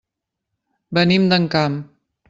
Venim d'Encamp.